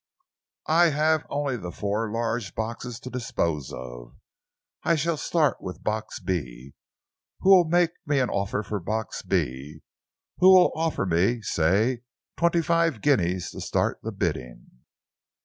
" I have only the four large boxes to dispose of. I shall start with Box B. Who will make me an offer for Box B? Who will offer me, say, twenty five guineas to start the bidding?"